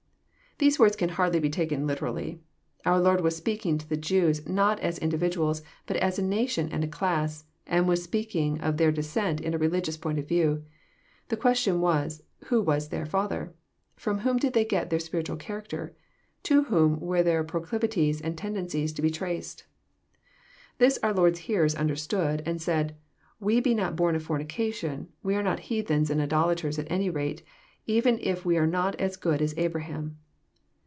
'] These words can hardly be taken literally. Our Lord was speaking to the Jews not as individuals, but as a nation and a class, and was speak ing of their descent in a religious point of view. The question was, "Who was their father? From whom did they get their Bpi ritual character? To whom were their proclivities and ten dencies to be traced?" This our Lord's hearers understood, and said, " We be not bom of fornication ; we are not heathens and idolaters at any rate, even if we are not as good as Abra ham."